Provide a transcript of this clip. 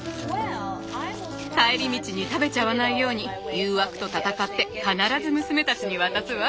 帰り道に食べちゃわないように誘惑と闘って必ず娘たちに渡すわ。